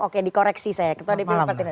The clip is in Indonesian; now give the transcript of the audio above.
oke dikoreksi saya